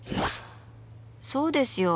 そうですよ。